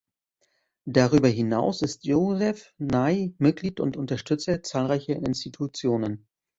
Darüber hinaus ist Joseph Nye Mitglied und Unterstützer zahlreicher Institutionen.